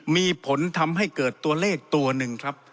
มีผลทำให้เกิดตัวเลขตัวหนึ่งครับ